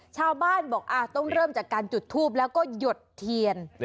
ชาวบ้านบอกต้องเริ่มจากการจุดทูบแล้วก็หยดเทียน